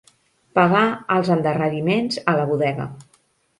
Pagar els endarreriments a la bodega.